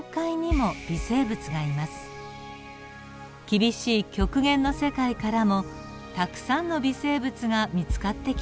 厳しい極限の世界からもたくさんの微生物が見つかってきています。